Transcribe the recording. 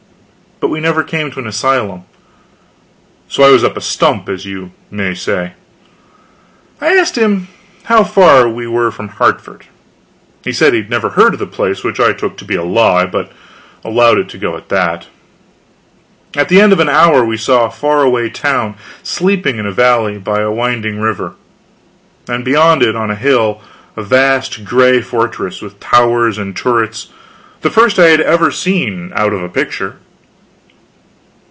But we never came to an asylum so I was up a stump, as you may say. I asked him how far we were from Hartford. He said he had never heard of the place; which I took to be a lie, but allowed it to go at that. At the end of an hour we saw a far away town sleeping in a valley by a winding river; and beyond it on a hill, a vast gray fortress, with towers and turrets, the first I had ever seen out of a picture.